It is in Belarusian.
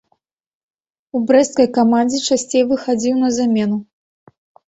У брэсцкай камандзе часцей выхадзіў на замену.